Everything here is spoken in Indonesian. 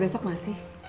tapi besok masih